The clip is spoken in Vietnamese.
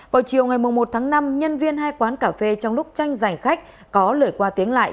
vào chiều ngày một tháng năm nhân viên hai quán cà phê trong lúc tranh giành khách có lời qua tiếng lại